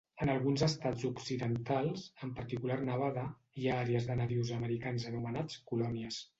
En alguns estats occidentals, en particular Nevada, hi ha àrees de nadius americans anomenats colònies.